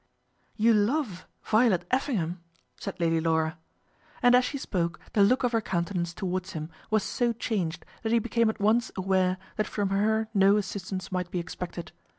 "You love Violet Effingham!" said Lady Laura. And as she spoke the look of her countenance towards him was so changed that he became at once aware that from her no assistance might be expected.